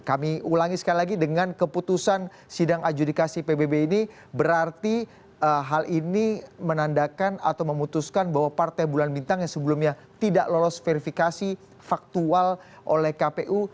kami ulangi sekali lagi dengan keputusan sidang adjudikasi pbb ini berarti hal ini menandakan atau memutuskan bahwa partai bulan bintang yang sebelumnya tidak lolos verifikasi faktual oleh kpu